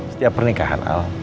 setiap pernikahan al